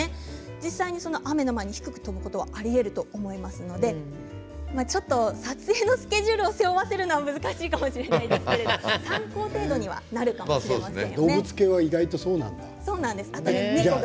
実際に雨の前に低く飛ぶことはありえると思いますのでちょっと撮影のスケジュールを背負わせるのは難しいかもしれないですけれど参考程度にはなるかもしれません。